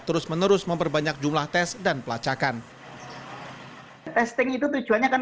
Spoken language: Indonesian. terus menerus memperbanyak jumlah tes dan pelacakan testing itu tujuannya kan